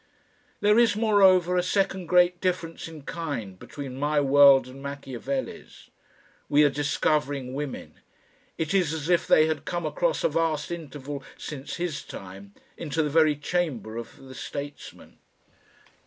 There is, moreover, a second great difference in kind between my world and Machiavelli's. We are discovering women. It is as if they had come across a vast interval since his time, into the very chamber of the statesman.